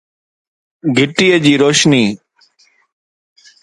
گهٽي جي روشني